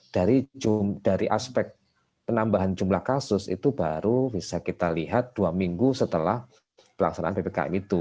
dari aspek penambahan jumlah kasus itu baru bisa kita lihat dua minggu setelah pelaksanaan ppkm itu